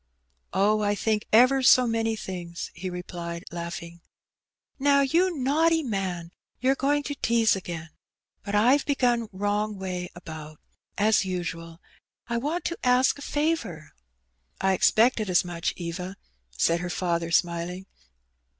Oh, I think ever so many things," he replied, laughing. Now, you naughty man, you^re going to tease again. But IVe begun wrong way about, as usual. I want to ask a favour." ''I expected as much, Eva," said her father, smiling.